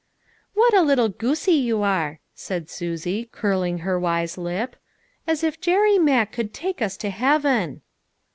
" What a little goosie you are !" said Susie, curling her wise lip ;" as if Jerry Mack could take us to heaven